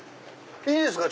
いいですか？